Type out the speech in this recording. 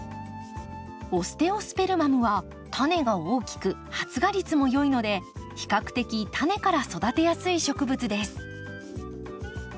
オステオスペルマムはタネが大きく発芽率も良いので比較的タネから育てやすい植物です。